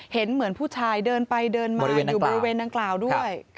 เห็นเหมือนผู้ชายเดินไปเดินมาอยู่บริเวณดังกล่าวด้วย